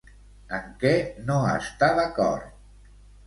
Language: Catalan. En què no està d'acord?